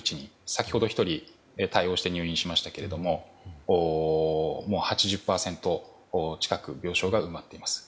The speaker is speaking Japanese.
先ほど１人対応して入院しましたが８０％近く病床が埋まっています。